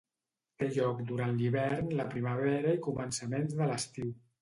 Té lloc durant l'hivern, la primavera i començaments de l'estiu.